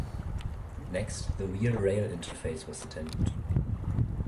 Next, the wheel-rail interface was attended to.